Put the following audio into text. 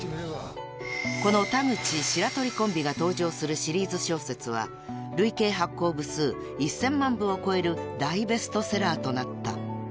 ［この田口・白鳥コンビが登場するシリーズ小説は累計発行部数１，０００万部を超える大ベストセラーとなった］